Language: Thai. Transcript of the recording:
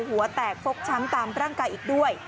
หัวแตกฟกช้ำตามร่างกายอีกด้วย